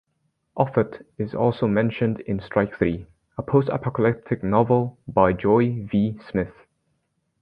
Offutt is also mentioned in Strike Three, a post-apocalyptic novel, by Joy V. Smith.